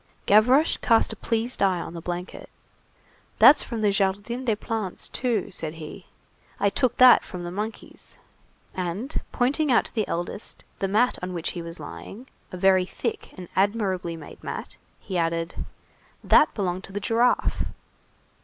Gavroche cast a pleased eye on the blanket. "That's from the Jardin des Plantes, too," said he. "I took that from the monkeys." And, pointing out to the eldest the mat on which he was lying, a very thick and admirably made mat, he added:— "That belonged to the giraffe."